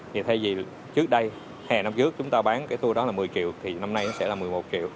thì thay vì trước đây hè năm trước chúng ta bán cái tour đó là một mươi triệu thì năm nay sẽ là một mươi một triệu